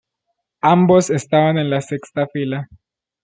Ambos estaban en la sexta fila.